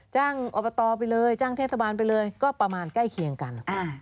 อบตไปเลยจ้างเทศบาลไปเลยก็ประมาณใกล้เคียงกัน